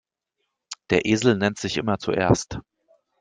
Der Esel nennt sich immer zuerst.